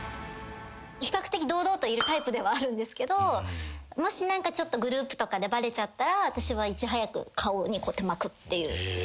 比較的堂々といるタイプではあるんですけどもし何かグループとかでバレちゃったら私はいち早く顔にこうやって巻くっていうスタイルなんですけど。